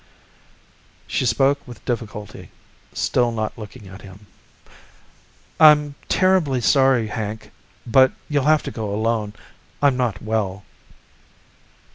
She spoke with difficulty, still not looking at him. "I'm terribly sorry, Hank, but you'll have to go alone. I'm not well."